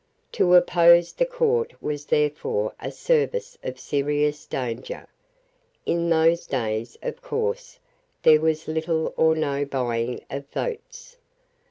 To oppose the Court was therefore a service of serious danger. In those days of course, there was little or no buying of votes.